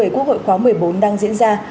quốc hội khóa một mươi bốn đang diễn ra